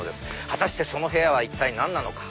果たしてその部屋は一体何なのか？